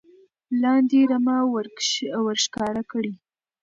لاندې رمه ور ښکاره کړي